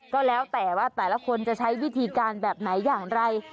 ก็แล้วแต่ว่าแต่ละคนจะใช้วิธีการแบบไหนอย่างไร